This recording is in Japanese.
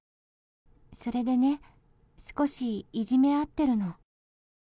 それでね少しいじめあってるの。